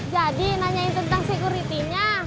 jadi nanyain tentang sekuritinya